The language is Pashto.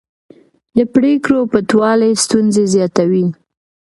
د پرېکړو پټوالی ستونزې زیاتوي